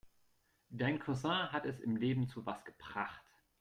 Dein Cousin hat es im Leben zu was gebracht.